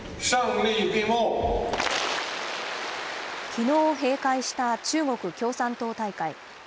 きのう、閉会した中国共産党大会。